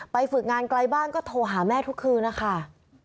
ฝึกงานไกลบ้านก็โทรหาแม่ทุกคืนนะคะ